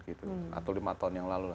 atau lima tahun yang lalu